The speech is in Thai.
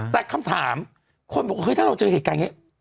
แต่คำถามคนบอกถ้าเราเจอเหตุการณ์อย่างนี้